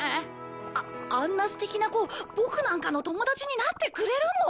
ああんな素敵な子ボクなんかの友達になってくれるの？